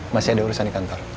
masih ada urusan di kantor